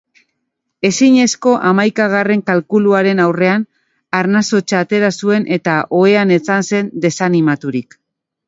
Ikastetxea horrekin harremanetan jarri beharko da ikasle edo langileren batek positibo ematean.